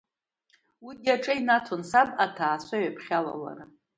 Уигьы аҿа инаҭон саб аҭаацәа ҩаԥхьа алалара.